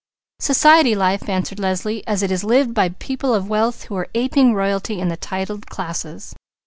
"Society life," answered Leslie, "as it is lived by people of wealth who are aping royalty and the titled classes."